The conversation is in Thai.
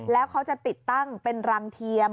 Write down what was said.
แล้วเขาจะติดตั้งเป็นรังเทียม